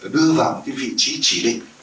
đưa vào một cái vị trí chỉ định